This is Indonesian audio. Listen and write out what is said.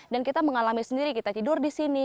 dan kita mengalami sendiri kita tidur di sini